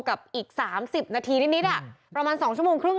กับอีก๓๐นาทีนิดประมาณ๒ชั่วโมงครึ่ง